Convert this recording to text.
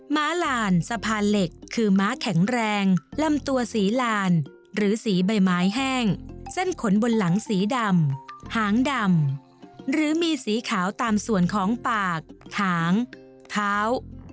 ม้าลานสะพานเหล็กคือม้าแข็งแรงลำตัวสีลานหรือสีใบไม้แห้งเส้นขนบนหลังสีดำหางดำหรือมีสีขาวตามส่วนของปากหางเท้า